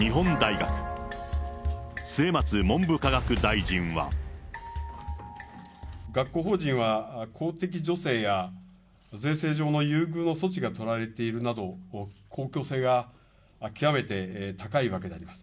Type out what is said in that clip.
学校法人は公的助成や税制上の優遇の措置が取られているなど、公共性が極めて高いわけであります。